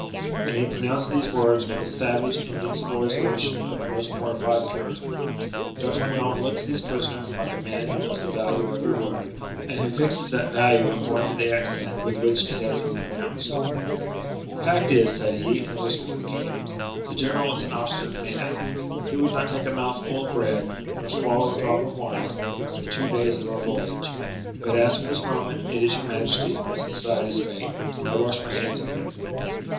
And he pronounced these words with the savage, invincible resolution of the most mortified Puritan. D'Artagnan looked at his prisoner like a man who knows the value of every word, and who fixes that value according to the accent with which it has been pronounced. "The fact is," said he, in a whisper to the king, "the general is an obstinate man; he would not take a mouthful of bread, nor swallow a drop of wine, during the two days of our voyage. But as from this moment it is your majesty who must decide his fate, I wash my hands of him."